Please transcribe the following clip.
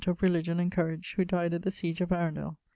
of religion and courage who dyed at the siege of Arundel.